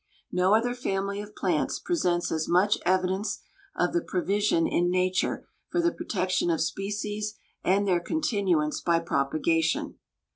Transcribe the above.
No other family of plants presents as much evidence of the provision in nature for the protection of species and their continuance by propagation.